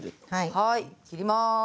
はい切ります。